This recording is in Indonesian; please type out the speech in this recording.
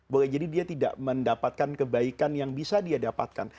boleh jadi dia tidak mendapatkan kebaikan yang bisa dia dapatkan